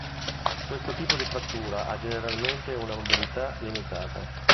Questo tipo di frattura ha generalmente una mobilità limitata.